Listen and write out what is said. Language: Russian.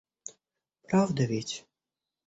Правда ведь?